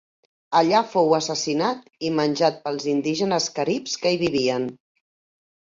Allà fou assassinat i menjat pels indígenes caribs que hi vivien.